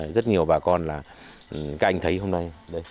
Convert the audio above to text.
rất nhiều bà con là các anh thấy hôm nay